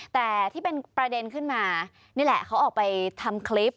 แต่ที่เป็นประเด็นขึ้นมานี่แหละเขาออกไปทำคลิป